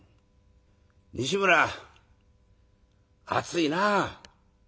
「西村暑いなあ」。